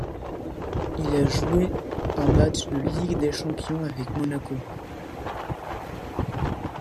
Il a joué un match de Ligue des champions avec Monaco.